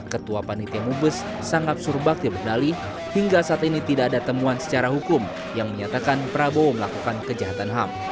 ketua panitia mubes sanggap surbakti berdali hingga saat ini tidak ada temuan secara hukum yang menyatakan prabowo melakukan kejahatan ham